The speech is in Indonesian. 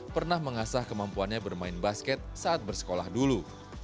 pernah mengasah kemampuannya bermain basket saat bersekolah dulu